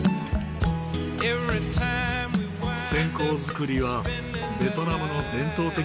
線香作りはベトナムの伝統的な職業の一つ。